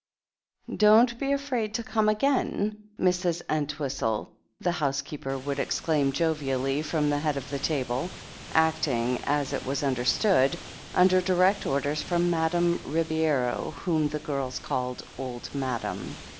"Don't be afraid to come again," Mrs. Entwhistle, the housekeeper, would exclaim jovially from the head of the table, acting, it was understood, under direct orders from Madame Ribeiro, whom the girls called Old Madam.